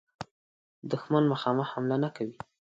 دښمن مخامخ حمله نه کوي.